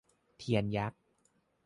เทียนยักษ์